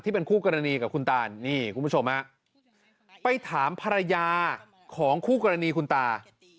เป็นคู่กรณีกับคุณตานนี่คุณผู้ชมฮะไปถามภรรยาของคู่กรณีคุณตา